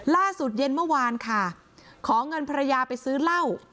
เย็นเมื่อวานค่ะขอเงินภรรยาไปซื้อเหล้า